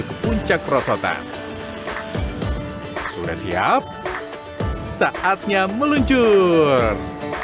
ke puncak perosotan sudah siap saatnya meluncur